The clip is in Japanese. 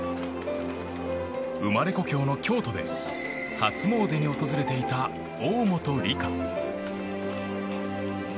生まれ故郷の京都で初詣に訪れていた大本里佳。